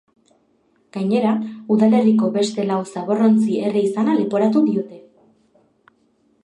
Gainera, udalerriko beste lau zaborrotzi erre izana leporatu diote.